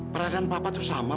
perasaan papa tuh sama